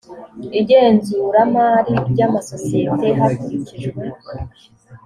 igenzuramari ry amasosiyete hakurikijwe